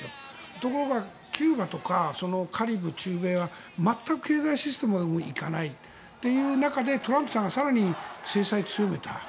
ところがキューバとかカリブ、中米は全く経済システムに行かないという中でトランプさんが更に制裁を強めた。